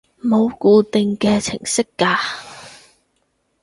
冇固定嘅程式㗎